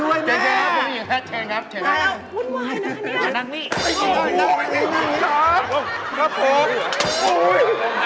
โอ้ยมันเป็นแซมเธอมาดูหรือ